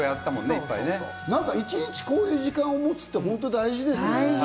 一日でこういう時間を持つって大事ですね。